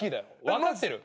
分かってる？